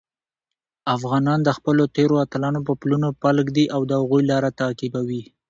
افغانان د خپلو تېرو اتلانو په پلونو پل ږدي او د هغوی لاره تعقیبوي.